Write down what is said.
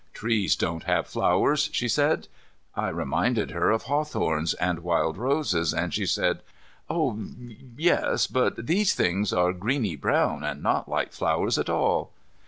"Trees don't have flowers," she said. I reminded her of hawthorns and wild roses, and she said, "Oh, yes, but these things are greeny brown and not like flowers at all."